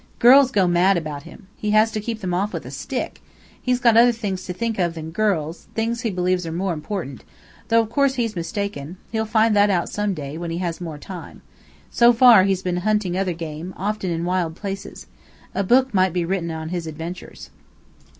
"Girls go mad about him. He has to keep them off with a stick. He's got other things to think of than girls, things he believes are more important though, of course, he's mistaken. He'll find that out some day, when he has more time. So far, he's been hunting other game, often in wild places. A book might be written on his adventures."